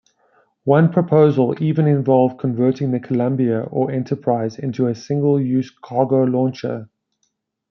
One proposal even involved converting the "Columbia" or "Enterprise" into a single-use cargo launcher.